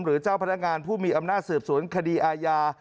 เจ้าพนักงานผู้มีอำนาจสืบสวนคดีอาญา